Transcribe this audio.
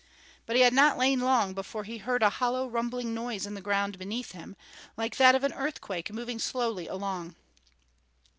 But he had not lain long before he heard a hollow rumbling noise in the ground beneath him, like that of an earthquake moving slowly along.